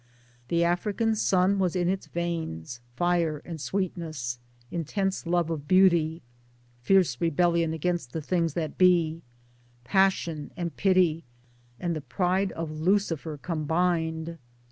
The African sun was in its veins fire and sweetness, intense love of beauty, fierce rebellion against the things that be, passion and pity and the pride of Lucifer combined.